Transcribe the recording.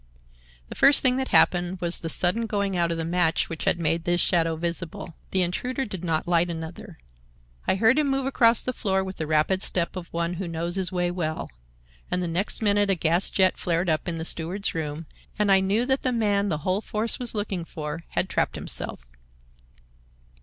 "The first thing that happened was the sudden going out of the match which had made this shadow visible. The intruder did not light another. I heard him move across the floor with the rapid step of one who knows his way well, and the next minute a gas jet flared up in the steward's room, and I knew that the man the whole force was looking for had trapped himself.